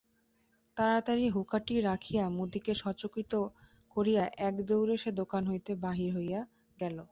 তাড়াতাড়ি হুঁকাটি রাখিয়া মুদিকে সচকিত করিয়া একদৌড়ে সে দোকান হইতে বাহির হইয়া গেল।